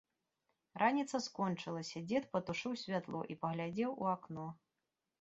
Раніца скончылася, дзед патушыў святло і паглядзеў у акно.